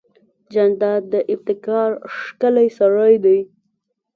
جانداد د ابتکار ښکلی سړی دی.